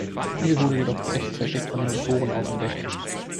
Diese wurde jedoch rechtzeitig von den Ephoren aufgedeckt.